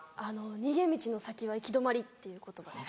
「逃げ道の先は行き止まり」っていう言葉です。